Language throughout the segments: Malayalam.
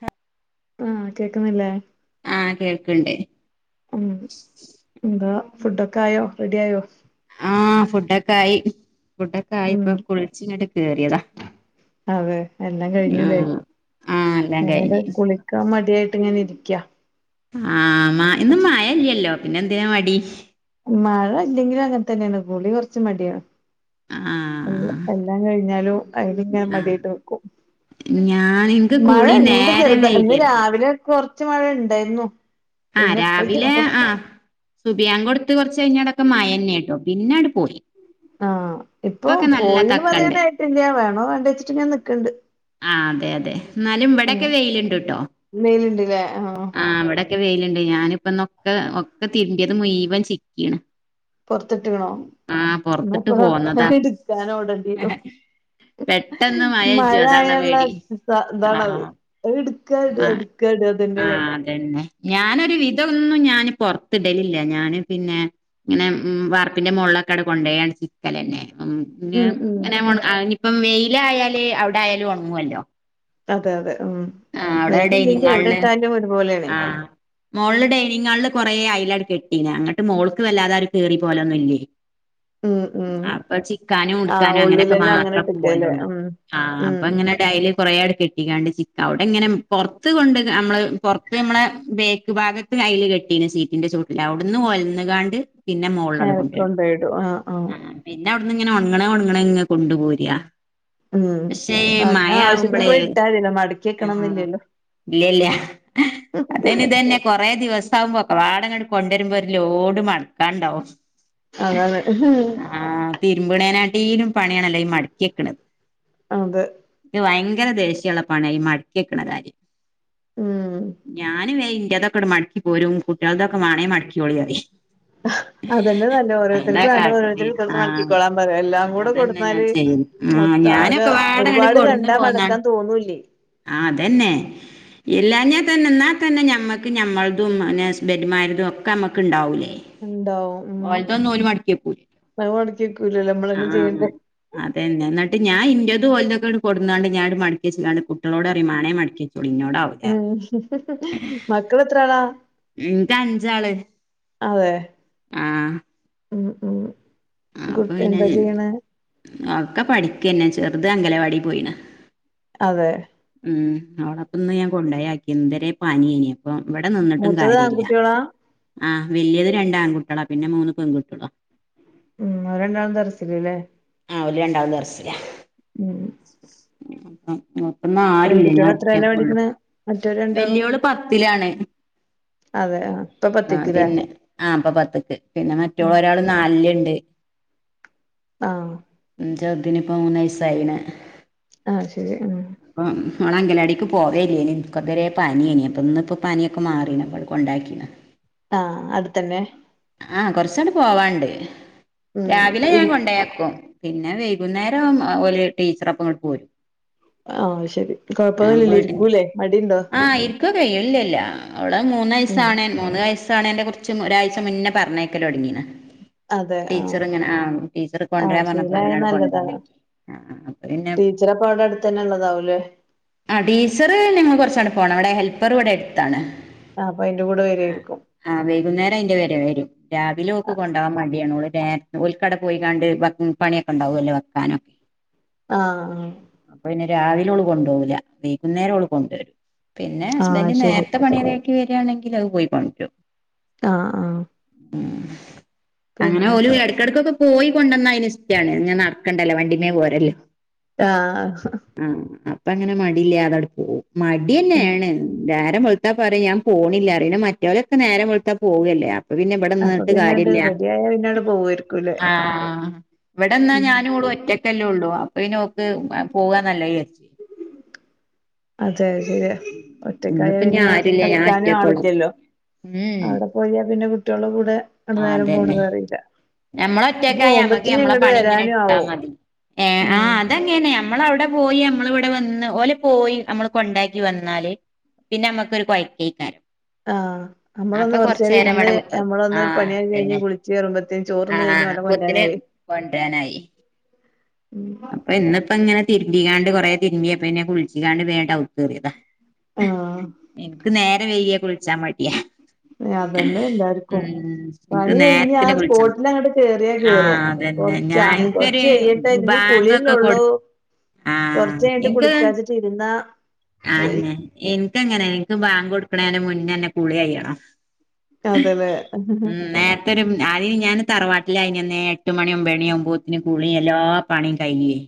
ഹ ആഹ് കേക്കുന്നില്ലേ? ആഹ് കേൾക്ണ്ട്. ഹ്മ്മ് എന്താ ഫുഡോക്കായോ റെഡി ആയോ? ആഹ് ഫുഡൊക്കായി. ഉം ഫുഡൊക്കായിപ്പം കുളിച്ചിങ്ങട്ട് കേറിയതാ അതെ എല്ലാം കഴിഞ്ഞൂല്ലേ ആഹ് ആഹ് എല്ലാം എന്ത് കഴിഞ്ഞ് കുളിക്കാ ക്കാൻ മടിയായിട്ട്ങ്ങനെ ഇര്ക്കാ ആഹ് മ ഇന്ന് മഴല്ലല്ലോ പിന്നെന്തിനാ മടി മഴ ഇല്ലെങ്കിലും അങ്ങൻതന്നെയാണ് കുളി കൊറച്ച് മടിയാ ഹ്മ്മ് ആഹ് എല്ലാ കഴിഞ്ഞാലും അയ്ന്ങ്ങനെ ആഹ് മടിയായ്ട്ട് നിക്കും ഞാൻ ഇൻക്ക് കുളി മഴണ്ട് നേരം ചെറുത ഇന്ന് വൈകരുത് രാവിലെ കൊറച്ച് മഴണ്ടായ്രുന്നു ആഹ് രാവിലെ ആഹ് സുബയാങ്കൊട്ത്ത് കൊറച്ചയ്ഞ്ഞാലൊക്കെ മഴന്നെട്ടോ പിന്നങ്ങട്ട് പോയി ആഹ് ഇപ്പൊക്കെ ഇപ്പം നല്ല പോയിന്ന് തക്കണ്ട് പറയാനായിട്ടില്ല വേണോ വേണ്ടേച്ചിട്ട്ങ്ങനെ നിക്ക്ണ്ട് ആഹ് അതെ, അതെ ഇന്നാലും ഉം ഇവടൊക്കെ വെയില്ണ്ട്ട്ടോ ആഹ് ഇവടെ ക്കെ വെയില്ണ്ട്, ഞാനിപ്പന്നൊക്കെ ഒക്കെ തിരുമ്പിയത് മുഴുവൻ ചിക്കീണ് പൊറത്ത്ട്ട്ക്ണോ? ആഹ് പൊറത്തിട്ട് ഇന്നാപ്പതാ പോന്നതാ ഇട്ക്കാനോടണ്ടീയരും പെട്ടെന്ന് മഴ മഴജും അതാള്ള ആയാൾള്ള പേടി ഇ ഇതാണത്. ആഹ് അത്ട്ക്കാ ഇടാ ഇട് ട്ക്കാടാ ഇതന്നെ പണി. തന്നെ ഞാനൊരു വിധന്നും ഞാന് പൊർത്തിടലില്ല ഞാന് പിന്നെ. ഇങ്ങനെ ഉം വാർപ്പിന്റെ മോൾലക്കടെ കൊണ്ടേയണ് ക്കലന്നെ ഉം ഉം ഉം ങ്ങനെ നിപ്പം വെയ്ലായാല് അവിടായാലും ഒണങ്ങുവല്ലോ അതെ അതെ ഉം ആഹ് അവിടെ ഡൈനിങ് വെയ്ലില്ലെങ്കി എവ്ടെട്ടാലും ഒരുപോലേണെ. മോൾല് ഡൈനിങ് ഹാൾല് കുറേ അയ്ലട് കെട്ടീനാ അങ്ങട്ട് മോൾക്ക് വല്ലാതാരു കേറി പോലൊന്നുല്ലേയ്. ഉം ഉം ചിക്കാനും ആഹ് ഉടുക്കാനും അങ്ങനെയൊക്കെ ഉള്ളിലന്നെ അങ്ങനെ മാത്രം ഇട്ട്ക്കാല്ലേ ഉം ഉം. ട്ടയ്ല് കൊറേട് കെട്ടീക്കാണ്ട് ചി അവിടെ ഇങ്ങനെ പൊർത്ത് കൊണ്ട് നമ്മള് പുറത്ത് നമ്മളെ ബേക്ക് ഭാഗത്ത് ഐല് കെട്ടീന് സീറ്റിന്റെ ചോ ലവ്ട്ന്ന് ഒലന്ന്കാണ്ട് പിന്നെ മോൾളടെ നേരക്ക് കൊണ്ടേയ്ടും. കൊണ്ടോയിടും ആഹ് ആഹ് പിന്നെ അവിടുന്ന്ങ്ങനെ ഒൺങ്ണെ ഒൺങ്ണെ ഇങ് കൊണ്ട് പോരാ. ഉം പക്ഷേ ഈ ആഹ് മയ ആവശ്യത്തിന് ആവുമ്പളേ? [unintelligible] ആഹ് ഇല്ല്യല്ല്യാ അതന്നെ ഇതന്നേ. കൊറേ ദിവസാഉമ്പോ ക്കവാടങ്ങട് കൊണ്ടുവരുമ്പോ ഒരു ലോഡ് മടക്കാണ്ടാവും. അതാണ്. ആഹ് തിരുമ്പണേനാട്ടീലും പണിയാണല്ലോ ഈ മടക്കിയെക് ണത്. അതെ ക് ഭയ്ങ്കര ദേഷ്യള്ളപ്പണയാ ഈ മട്ക്കിയെക്കണ കാര്യം. ഉം ഞാൻ വേയ് ഇന്റതൊക്കട്മട്ക്കി പോരും കുട്ടികൾതൊക്കെ മാണേ മടക്കിയോളീയറി അഹാ അതന്നെ നല്ലത് ഓരോര്ത്തർക് വെണ്ടെ കാട്ടല് ഓരോര്ത്തര്ക് കുത്തിര്ന്ന് ആഹ് മടക്കിക്കൊളാ പറയ് എല്ലാം കൂടെ അതന്നെ ഞാൻ കൊട്ന്നാല്. ചെയ്യല് ആഹ് മൊത്താകെ ഞാനൊക്കെ പാടങ്ങട് ഒരുപാട് കണ്ടാ മടക്കാൻ തോന്നൂല്ലേയ് ആ അതന്നെ. ഇല്ലഞ്ഞാ തന്നെ ഇന്നാ തന്നെ ഞമ്മൾക്ക് നമ്മളതും പിന്നെ ഹസ്ബെന്റെമാരതും ഒക്കെ അമ്മക്ക് ഇണ്ടാവുല്ലേ ഉണ്ടാവും ഉം അഹ്‌ മടക്കി വെക്കൂലല്ലോ നമ്മൾന്നെ ചെയ്യണ്ടേ അതെന്നെ ഇന്നട്ട് ഞാൻ ഇന്റെതും ഓലതുക്കെ കൊണ്ടന്നാണ്ട് ഞാൻ അങ്ങട് മടകിവെച്ചാണ്ട് കുട്ടോളോട് പറയും വേണം മടക്കിവെച്ചോളി എന്നോട് ആവൂല എഹ് ഹെ ഹെ ഹെ മക്കൾ എത്ര ആളാ ഇൻക്ക് അഞ്ചാള് അദെ ആഹ് ഉം ഉം അപ്പൊ കുട്ടി പിന്നെ എന്താ ചെയ്യണെ ഒക്കെ പഠിക്കന്നെ ചെറുത് അംഗലവാടി പോയിണ് അതെ ഉം അവ്ളപ്പൊന്ന് ഞാൻ കൊണ്ട യാക്കി ഇതരെ പാനിയേനി പ്പൊ ഇവിടെ നിന്നിട്ടും മൂത്തത് കാര്യല്ല ആൺകുട്ടികളാ ആഹ് വലിയത് രണ്ട് ആൺകുട്ടളാ പിന്നെ മൂന്ന് പെൺകുട്ടളാ ഉം ഓരണ്ടാളും ദർസിൽ ല്ലെ ആഹ് ഓൽ രണ്ടാളും ദർസ്സിലാ ഉം അ അ അപ്പന്ന ആരുല്ല ഞാൻ പെൺകുട്ടികള് എത്രേലാ ഒറ്റക്കുളളു പഠിക്കണെ മറ്റോര് രണ്ടാളും വല്യോള് പത്തിലാണ് അതെ ആഹ് ആഹ് അതെനെ ആഹ് ഇപ്പൊ പത്ത്ക്ക് പിന്നെ ഉം മറ്റോള് ഒരാള് നാലിൽണ്ട് ആഹ് ന്റെതിന് ഇപ്പം മൂന്ന് വയസായി ണ് ആഹ് ശരി ആഹ് അപ്പം ഓള് അങ്കനവാടിക്ക് പോവേനി ഇനിക്ക ഇത് വരെ പനിയേനിം അപ്പൊ ഇന്ന്പ്പ പനിയൊക്കെ മാറീന് പ്പൊങ്ങട്കൊണ്ടാക്കീ ആഹ് അടുത്തന്നെ ആഹ് കൊറച്ചങ്ങട് പോവാണ്ട് രാവിലെ ഉം ഞാൻ കൊണ്ടോയാക്കും പിന്നെ വൈകുന്നേരം ഓല് ടീച്ചറൊപ്പം ഇങ്ങട് പോരും ആഹ് ശെരി കൊഴപ്പൊന്നുല്ലല്ലോ ഇരിക്കൂലേ മടീണ്ടോ [unintelligible] ഇല്ലില്ല അവൾ മൂന്ന് വയസ്സാണേ മൂന്ന് വയസ്സാണേൻ്റെ കുറച്ച് ഒരാഴ് ച്ചമുന്നേ പറഞ്ഞയക്കല് തുടങ്ങീന് അതെ ആഹ് ടീച്ചറിങ്ങനെ ആഹ് ടീച്ചർ ആഹ് കൊണ്ട്വരാൻ പറഞ്ഞപ്പ ശീലായ അങ്ങനെ ങ്ങട്ട് കൊണ്ടോയി നല്ലതാണ് ആഹ് ആഹ് ആഹ് ടീച്ചറപ്പ അവിടെ അടുത്ത് തന്നെ ള്ളതാവൂല്ലേ ആഹ് ടീച്ചറ് ഞങ്ങള് കുറച്ച് അടുപ്പാണ് അവിടെ ഹെൽപ്പറും ഇവിടെ അടുത്താണ് ആഹ് അപ്പൊ അയിന്റെ കൂടെ വര്വാരിക്കും ആഹ് വൈകുന്നേരം അയ്ന്റെ വരെ വരും രാവിലെ ഓക്ക് ആഹ് കൊണ്ടോവാൻ മടിയാണ് ഓല് നേർ ഓൽക്കവ്ടെ പോയികാണ്ട് പണിയൊക്കെ ഉണ്ടാവുല്ലോ വെക്കാനൊക്കെ ആഹ് അപ്പൊ പിന്നെ രാവിലെ ഓള് കൊണ്ടോവൂല വൈകുന്നേരം ഓള് കൊണ്ടരും പിന്നെ ആഹ് ഹസ്ബൻഡ് ശരി നേരത്തെ പണിയൊതുക്കി വരാണെങ്കിൽ അത് പോയി കൊണ്ടരും ആഹ് ആഹ് ഉം അങ്ങനെ പിന്നെ ഓല് എടക്കെടക്കൊക്കെ പോയി കൊണ്ടന്നാ അയ്ന് ഇഷ്ട്ടാണ് ങ്ങനെ നടക്കണ്ടല്ലോ വണ്ടീമേപോരല്ലോ ആഹ് ആഹ് അപ്പൊ അങ്ങനെ മടിയില്ലാതെ അങ്ങട് പോവും മട്യന്നെ ഉം ആണ് നേരം വെളുത്താ പറയും ഞാൻ പോണില്ല പിന്നെ മറ്റവരൊക്കെ നേരം വെളുത്താ പോകുവല്ലേ. അപ്പൊ പിന്നെ ഇവിടെ അപ്പൊ നിന്നിട്ട് പിന്നണ്ട് കാര്യല്ല റെഡി ആയ പിന്നണ്ട് പോവായിരിക്കൂല്ലേ ആഹ് ഇവിടെന്നാ ഉം ഞാനും ഓളും ഒറ്റക് ക്കല്ലേ ഉള്ളൂ അപ്പൊ പിന്നെ ഓക്ക് പോകാ നല്ല വിചാരിച്ച് അതെ ശരിയാ ഒറ്റക്കായാ ഇന്നിപ്പോ ഇഞ്ഞി പിന്നെ ആരുല്ല ഞാൻ കളിക്കാനും ഒറ്റക്കൊള്ളൂ ആളില്ലല്ലോ ഉം അവിടെ പോയ പിന്നെ കുട്ടികളുടെ കൂടെ അന്ന് നേരം അതന്നെ പോണതറിയില്ല ഞമ്മള ഒറ്റക്കായ പോവുമ്പത്തിന് ഇങ്ങട് വരാനും ആവും ഏഹ് ആ ഉം അതങ്ങനെയാ അമ്മളവിടെ പോയി അമ്മളിവിടെ വന്ന് ഓല് പോയി അമ്മള് കൊണ്ടാക്കി വന്നാല് പിന്നെ അമ്മക്ക് ഒരു കൊയക്കേക്കാരം ആഹ് അപ്പ നമ്മളൊന്ന് കൊറച്ച് കൊറച്ചേരം നേരം ഇവട ഉത്തർക്കും ആഹ് തന്നെ ഉച്ചയറുമ്പത്തേ ചോ ആഹ് അപ്പോത്തിന് കൊണ്ടോനായി പ്പ ഇന്നിപ്പ അങ്ങനെ തിരുമ്പിയാണ്ട് കൊറേ തിരുമിയ പിന്നെ കുളിച്ചിക്കാണ്ട് വേണ്ട അവു കേറിയതാ ആഹ് എനിക്ക് നേര വൈകിയ കുളിച്ചാ മടിയാ അതന്നെ എല്ലാർക്കും ഉം എനിക്ക് പണി കഴിഞ്ഞാ ആ നേരത്തിന് സ്പോ കുളിച്ചണം ലങ്ങോട്ട് കേറിയാ ആ കേറും അതന്നെ കൊറച്ച് ആ ഞാൻ എനിക്കൊരു കൊറച്ച് കയിയട്ടെ ഇനി ബാങ്ക് കുളില്ലേ ഒക്കെ ഒള്ളൂ കൊടു ആ കൊറച്ച് കഴിഞ്ഞിട്ട് കുളിക്കാന്ന് വെച്ചിട്ട് ഇരുന്നാ പോയി ആന്നെ എനിക്ക് അങ്ങനെ എനിക്ക് ബാങ്ക് കൊടുക്കണേന് മുന്നേന്നെ കുളികയ്യണം അതെല്ലേ തരും അയിന് ഞാൻ തറവാട്ടില് ആയിനന്നെ എട്ട് മണി ഒമ്പത് മണിയാമ്പോത്ത്ന് കുളീം എല്ലാ പണീം കയിഞ്ഞിലേ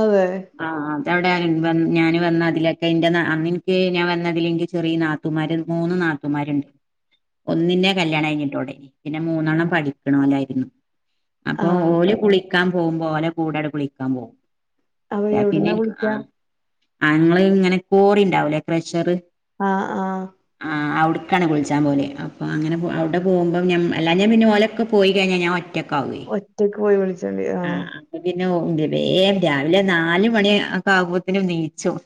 അതെ ആഹ് അത് അവിടെ വന്ന ഞാൻ വന്ന അതില് ഒക്കെ എന്റെ നാ അന്ന് എനിക്ക് ഞാൻ വന്നതില് എന്റെ ചെറിയ നാ ത്തൂമാര് മൂന്ന് നാത്തുമാരുണ്ട് ഒന്നിന്റെ കല്യാണം കഴിഞ്ഞിട്ടോടെ പിന്നെ മൂന്നെണ്ണം പഠിക്കണ ഓലായിരിന്നു അപ്പൊ ആഹ് ഓല് കുളിക്കാൻ പോകുമ്പോ ഓല കൂടെ അട് കുളിക്കാൻ പോകും അപ്പൊ യാ പിന്നെ എവിടുന്നാ ഇക്ക് ആ വിളിക്കാ അങ്ങള് ഇങ്ങനെ കോറി ഇണ്ടാവൂലെ ട്രഷർ ആ ആ ആ അവിടുക്ക് ആണേ കുളിച്ചാൻ പോകല് അപ്പ അങ്ങനെ പൊ അവിടെ പോകുമ്പ ഞമ്മ എല്ലാഞ്ഞാ പിന്നെ ഓല് ഒക്കെ പോയി കഴിഞ്ഞാൽ ഞാൻ ഒറ്റ ഒറ്റയ്ക്കാവുവേ ഒറ്റയ്ക്ക് പോയി വിളിച്ചോണ്ട് വരാ ആ അപ്പ പിന്നെേ ഒ വേ രാവിലെ നാല് മണി ഒക്കെ ആകുമ്പത്തിനും നീച്ചും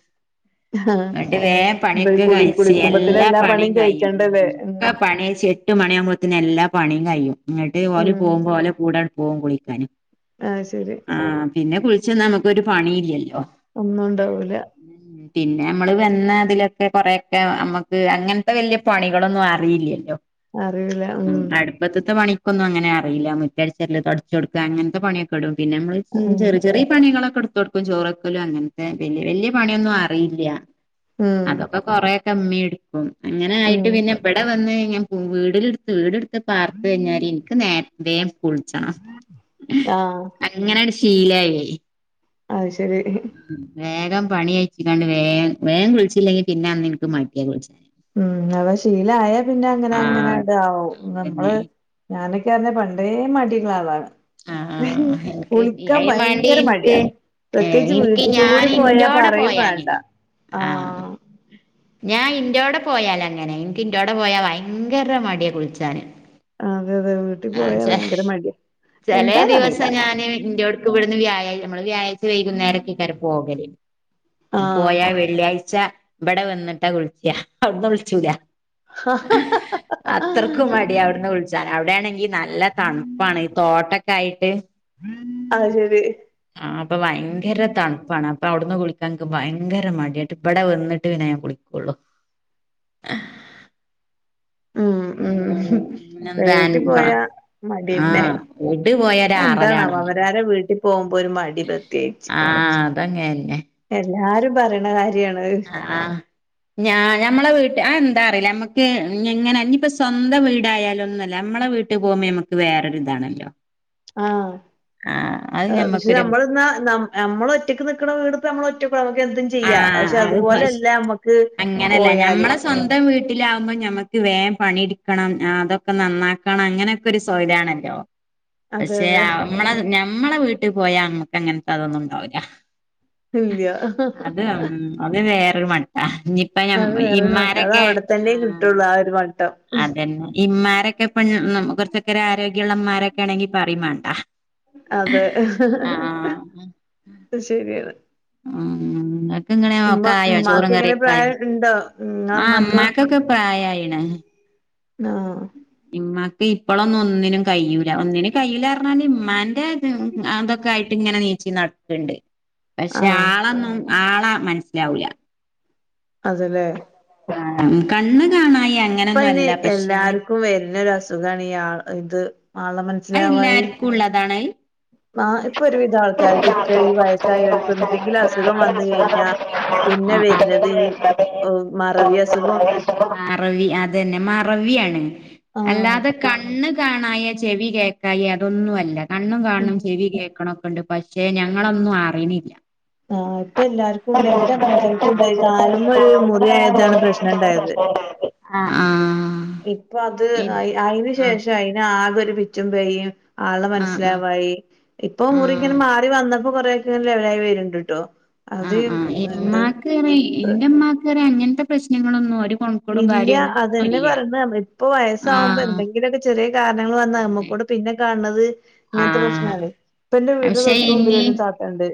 ആഹ് എന്നിട്ട് വേഗം പണി ഇത് ഒക്കെ കുളി കഴിച്ച് കുളിക്കുമ്പത്തിന് എല്ലാ പണിയും കഴിയും ഉം കഴിക്കണ്ടല്ലേ ഉം കാ പണി കയിച്ച് എട്ട് മണി ആവുമ്പത്തേന് എല്ലാ പണിയും കൈയും എന്നിട്ട് ഓല് ഉം പോകുമ്പോ ഓല കൂടെ പോകും കുളിക്കാന് അത് ശരി ആഹ് പിന്നെ കുളിച്ചി വന്നാ നമുക്ക് ഒരു പണി ഇല്ലല്ലോ ഒന്നും ഉണ്ടാവൂല പിന്നെ അമ്മള് വന്ന അതില് ഒക്കെ കൊറെയൊക്കെ അമ്മക്ക് അങ്ങനത്തെ വലിയ പണികള് ഒന്നും അറിയില്ലല്ലോ ഉം അടുപ്പത്ത്ത്തെ പണി ഇക്ക് ഒന്നും അങ്ങനെ അറിയില്ല മുറ്റടിച്ചരിൽ തൊടച്ച് കൊടുക്ക അങ്ങനെ പണി ഒക്കെ ഇടും പിന്നെ അമ്മള് ഉം ചെിയ ചെറിയ പണികള് ഒക്കെ എടു ഇപ്പപ്പം ചോറാക്കല് അങ്ങനത്തെ വെല്യ വെല്യ പണി ഒന്നും അറിയില്ല ഉം അത് ഒക്കെ കൊറെഒക്കെ ഇമ്മി എടുക്കും അങ്ങനെ ഉം ആയിട്ട് പിന്നെ ഇവടെ വന്ന് ഞാൻ വീടില് എടുത്ത് വീട് എട് ക്ക് പാർത്ത് കഴിഞ്ഞാലി എനിക്ക് നേരത്തേ കുളിച്ചണം ആഹ് അങ്ങനെട് ശീലായി അത് ശരി ഉം വേഗം പണി അയിച്ചി കൊണ്ട് വേഗ വേഗം കുളിച്ചി ഇല്ലെങ്കി പിന്നെ അന്ന് എനിക്ക് മടിയ കുളിച്ചാന് ഉം അപ്പ ശീലായ പിന്നെ അങ്ങനെ അങ്ങനെ ആഹ് ഇതാവോ നമ്മള് അതന്നെ ഞാന് ഒക്കെ അറിഞ്ഞ പണ്ടേ മടി ഇള്ള ആള് ആണ് ആഹ് ആഹ് എനിക്ക് കുളിക്കാൻ അയിന് മാണ്ടി ഭയങ്കര എനിക്ക് മടിയാ ഏഹ് പ്രത്യേകിച്ച് എനിക്ക് വീട്ടിക്ക് ഞാൻ കൂടി പോയാ ഇന്റോടെ പറയും പോയാ വേണ്ട അങ്ങനെ ആഹ് ഞാൻ ഇന്റോടെ പോയാല് അങ്ങനെ എനിക്ക് ഇന്റോടെ പോയാ ഭയങ്കര മടി കുളിച്ചാന് അതെ അതെ വീട്ടിൽ ആഹ് പോയാ ചെ ഭയങ്കര മടിയ ചെലേ എന്താന്ന് അറിയില്ല ദിവസം ഞാന് ഇന്റോട് ഇടു ഇവിടുന്ന് വ്യാ നമ്മള് വ്യാഴ്ച വൈകുന്നേരം ഒക്കെ അങ്ങാട്ട് പോകല് ആഹ് പോയാല് വെ വെള്ളിയാഴ്ച ഇവിടെ വന്നിട്ടാ കുളിക്ക അവിടുന്ന് കുളിച്ചൂല അത്രക്കും മടി അവിടുന്ന് കുളി ച്ച അവിടെ എണെങ്കി നല്ല തണുപ്പാണ് ഈ തോട്ടം ഒക്കെ ആയിട്ട് ഉ അത് ശരി ആഹ അപ്പൊ ഭയങ്കര തണുപ്പാണ് അപ്പൊ അവിടുന്ന് കുളിക്കാൻ എനിക്ക് ഭയങ്കര മടിയായിട്ട് ഇവിടെ വന്നിട്ട് പിന്നെ ഞാൻ കുളിക്ക കൊള്ളു ഉം ഉം ഉ എന്താ വീട്ടിൽ പോയ മടിന്നെ ആഹ് വീട്ട് പോയൊരു എന്താണാവോ അവ ആറലാണല്ലോ വേറെ വീട്ടിൽ പോകുമ്പോൾ ഒരു മ ആഹ് അത് അങ്ങനെന്നെ എല്ലാരും പറയണ കാര്യാണത് ആഹ് ഞാ ഞമ്മെ വീട്ട ആ എന്താ അറിയില്ല നമ്മുക്ക് എങ്ങനെ ഇനിയിപ്പ സ്വന്തം വീടായാല് ഒന്നും ഇല്ല നമ്മളെ വീട്ട ട്ട് പോകുമ്പോ നമുക്ക് വേറൊ ഒരിതാണല്ലോ ആഹ് അത് ഹ് പക്ഷെ ഞമ്മക്കൊരു നമ്മൾന്നാ നമ്മ നമ്മൾ ഒറ്റയ്ക്ക് നിക്ക്ണ വീടുത്തെ നമ്മളെ ഒറ്റക്ക് എന്തും ചെ യ്യാ ആഹ് പക്ഷെ അത് ഫസ് അതുപോലെല്ല നമ്മക്ക് അങ്ങനല്ല പോയാല്. ഞമ്മളെ സ്വന്തം വീട്ടിലാകുമ്പോൾ ഞമ്മക്ക് വേം പണിട്ക്കണം അതൊക്കെ നന്നാക്കണം അങ്ങനെ ഒരു സൊഹലാണല്ലോ അതെ പക്ഷെ അതെ നമ്മള ഞമ്മളെ വീട്ട് പോയാ നമ്മക്ക് അങ്ങൻത്തെ അതൊന്നും ഉണ്ടാവില്ല. ഇല്ല്യ അത് ഉം അത് വേറൊരു മട്ട ഇഞ്ഞിപ്പ ഞം ഇമ്മാരക്കെ തന്റെ കിട്ടള്ളു ആഹ് ഒരു മട്ടം അതന്നെ ഇമ്മാരക്കെ ഇപ്പഞ്ഞ് ന്നം കൊർച്ചക്കെരു ആരോഗ്യള്ള മ്മാരക്കെ ആണെങ്കിൽ പറിം മാണ്ട. അതെ ശരിയാണ് ഉം ഇങ്ങക്ക് ഇങ്ങനെ ഒക്കെ ഉമ്മ ആയോ ചോറും ഉമ്മാക്ക് കറി? എങ്ങനെ പ്രായം ഇണ്ടോ? ഉം ആഹ് ഇമ്മാക്കൊക്കെ പ്രായായിണ്. ആഹ് ഇമ്മാക്ക് ഇപ്പളൊന്നും ഒന്നിനും കയ്യൂല ഒന്നിനും കയ്യൂലർഞ്ഞാല് ഇമ്മാന്റെ ത് അതൊക്കെ ആയിട്ട് ഇങ്ങനെ നീച്ചി നട്ക്ക്ണ്ട്. ആഹ് പക്ഷെ ആഹ് ആളന്നും ആളാ മനസ്സിലാവുല. അതല്ലേ [unintelligible] കണ്ണ് കാണായ ഇപ്പ അയിന് എല്ലാർക്കും വര്നരു അസുഖാണ് ഈ ആഹ് ഇത് ആളമ അഹ് എല്ലാർക്കും ഉള്ളതാണഹ്? ആഹ് ഇപ്പൊ ഒരു വിധം ആൾക്കാർക്ക് ഒക്കെ ഈ വയസ്സായോൽക്ക് എന്തെങ്കിലും അസുഖം വന്ന് കഴിഞ്ഞാ പിന്നെ അത് വര്നത് ഈ ഹോ മറവി അസുഖം മറവി അതന്നെ മറവിയാണ് ആഹ് അല്ലാതെ കണ്ണ് കാണായ ചെവി കേക്കായി അതൊന്നും അല്ല കണ്ണും കാണണം ചെവി കേൾക്കണം ണ്ട് പക്ഷെ ഞങ്ങളൊന്നും അറിണില്ല. ആഹ് ഇപ്പൊ എല്ലാർക്കും ഉണ്ട് എന്റെ അമ്മോസൻക്കും ഉണ്ടായി കാല്മ്മെ ഒരു മുറിയായതാണ് പ്രശ്നം [unintelligible] [unintelligible] ആഹ് ഇപ്പ അത് എ- അയി അയിന് ആഹ് ശേഷം അയിന് ആകെ ഒരു പിച്ചും പെയിം ആളെ ആഹ് ആഹ് മനസ്സിലാവായി ഇപ്പൊ മുറി ഇങ്ങനെ ആഹ് മാറി വന്നപ്പോ കൊറെ ഒക്കെ ലവലായി വര്ണ്ട് ട്ടോ. അത് ആഹ് ആഹ് എന്ത് ഇമ്മാക്ക്റി ഇന്റെമ്മാക്കറ്യ അങ്ങൻത്തെ പ്രശ്നങ്ങളൊന്നും ഒര് ഇല്ല അതന്നെ പർന്നേ ഇപ്പൊ വയസ്സാകുമ്പോ ആഹ് എന്തെങ്കിലുക്കെ ചെറിയ കാരണങ്ങൾ വന്നാ അതന്നെ നമ്മക്കൂടെ പിന്നെ കാണ്ണത് ഇങ്ങൻത്തെ ആഹ് പ്രശ്നാണ് ഇപ്പ എന്റെ വീട് പക്ഷെ തൊട്ട് മുമ്പിലൊ ഇനി ഒരു താത്തണ്ട്.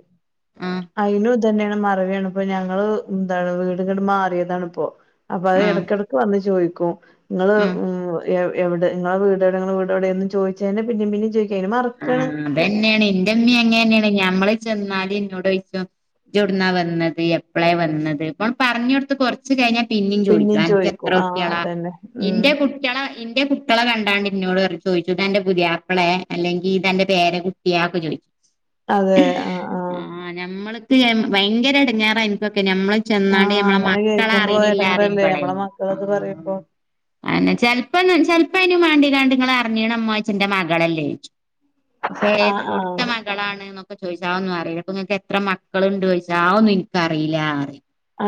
ആഹ് അയിനും ഇതന്നേണ് മറവിയാണ് ഇപ്പം ഞങ്ങള് എന്താണ് വീട്ങ്ങട്ട് മാറിയതാണ് പ്പോ. അപ്പ അഹ് ആഹ് എടക്കടക്ക് വന്ന് ചോദിക്കും ഇങ്ങള് ആഹ് ഉം എവ് എവിടെ ഇങ്ങളെ വീട് എഒടെ ഇങ്ങളെ വീടെ ഒടെ എന്നും ചോയിച്ചെന്നെ പിന്നിം പിന്നിം ചോയിക്കും അയിന് മറക്കാണ്. അതന്നെണ് ഇന്റെമ്മീ അങ്ങന്നേണ് ഞമ്മൾ ചെന്നാല് ഇന്നോട്ഴ്ച്ചും ഇജ്ഒട്ന്നാ വന്നത് എപ്പളേ വന്നത് ഇപ്പം പർഞ്ഞ് കൊടുത്ത് കൊ ച്ച് കഴിഞ്ഞാ പിന്നിം പിന്നേം ചോയിക്കും അൻക്ക് എത്ര ചോദിക്കും ആ കുട്ട്യളാ അതന്നെ ഉം ഇന്റെ കു ട്ട്യളെ ഇന്റെ കുട്ട്യളെ കണ്ടാണ്ട് ഇന്നോട് പറിം ചോയിച്ചു ഇതന്റെ പുതിയാപ്പളെ. എല്ലെങ്കി ഇതന്റെ പേരെ കുട്ട്യ അഹക്കെ ചോയിച്ചു. അതെ ആഹ് ആഹ് ഞമ്മൾക്ക് ഭയങ്കര എടങ്ങാറ എനിക്കൊക്കെ നമ്മള് ആ ചെന്നാണ്ട് നമ്മളെ അങ്ങനെ മക്കള കേൾക്കുമ്പോ അറനില്ല എടങ്ങേറല്ലേ അറട നമ്മളെ മക്കളത് പറയുമ്പോ അന്നേ ചെൽപ്പോ ചെൽപ്പോ അയ്നുവാണ്ടിനിങ്ങള് അറിഞ്ഞിക്ക്ണമ്മായ്ചാണ്ട് ന്റെ മകളല്ലേ ആ ഏത് ആ എവുടുത്തെ മാ ക്കളാണ്ക്കെ ചോദിച്ചാ ഒന്നും അറിയില്ല അപ്പൊ നിങ്ങൾക്ക് എത്ര മക്കളുണ്ട് ചോദിച്ചാ അതൊന്നും എനിക്കറിയില്ല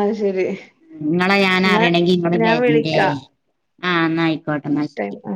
അത് ശരി നിങ്ങളെ ഞാൻ എന്നാ അറിയണെങ്കി ഇങ്ങള് ഞാൻ വരണ്ടേ വിളിക്കാ ആഹ് നാ ആയിക്കോട്ടെ ടൈം ന്നാശെരി ആ